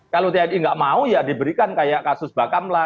kalau tni nggak mau ya diberikan kayak kasus bakam lah